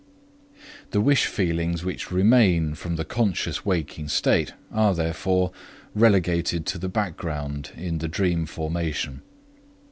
The wish feelings which remain from the conscious waking state are, therefore, relegated to the background in the dream formation.